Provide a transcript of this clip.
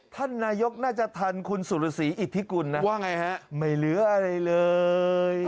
ท่านนายกน่าจะทันคุณสุรศรีอิทธิกุลนะว่าไงฮะไม่เหลืออะไรเลย